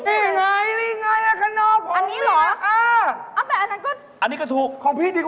นี่ไงนี่ไงขนาวของพี่